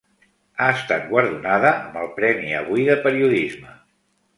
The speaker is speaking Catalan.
Ha estat guardonada amb el Premi Avui de Periodisme.